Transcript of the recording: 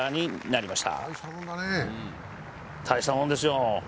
大したもんですよ。